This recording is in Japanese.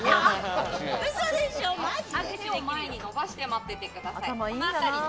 手を前に伸ばして待っててください。